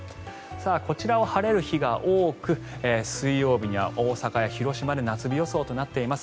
こちらは晴れる日が多く水曜日には大阪や広島で夏日予想となっています。